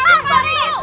uang kamu sudah palsu